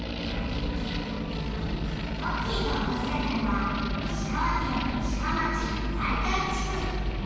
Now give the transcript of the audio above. トッキーがおとずれたのは石川県志賀町西海地区。